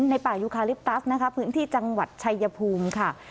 ในป่ายูคาลิปตัสนะคะพื้นที่จังหวัดชายภูมิค่ะ